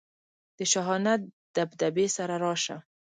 د شاهانه دبدبې سره راشه.